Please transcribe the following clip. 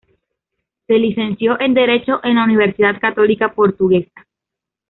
Se licenció en derecho en la Universidad Católica Portuguesa.